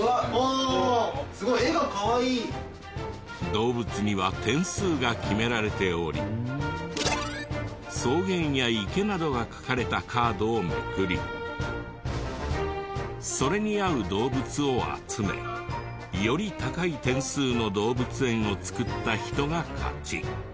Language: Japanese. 動物には点数が決められており草原や池などが書かれたカードをめくりそれに合う動物を集めより高い点数の動物園を作った人が勝ち。